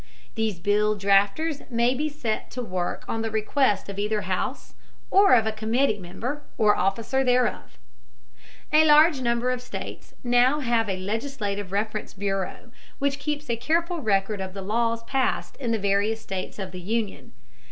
These bill drafters may be set to work on the request of either house, or of a committee, member, or officer thereof. A large number of states now have a legislative reference bureau which keeps a careful record of the laws passed in the various states of the Union.